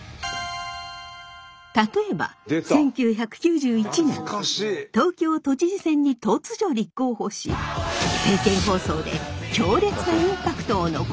例えば１９９１年東京都知事選に突如立候補し政見放送で強烈なインパクトを残しました。